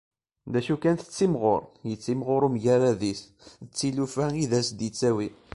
D acu kan tettimɣur, yettimɣur umgarad-is d tlufa i d as-d-yettawi.